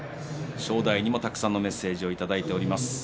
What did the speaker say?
正代にはたくさんのメッセージをいただいています。